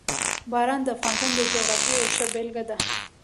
باران د افغانستان د جغرافیې یوه ښه بېلګه ده.